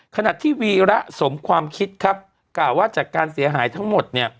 ขนาดที่วีระสมความคิดกล่าวว่าจากการเสียหายทั้งหมด